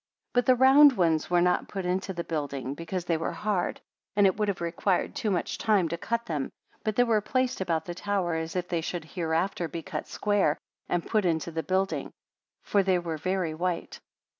56 But the round ones were not put into the building, because they were hard, and it would have required too much time to cut them but they were placed about the tower, as if they should hereafter be cut square, and put into the building; for they were very white.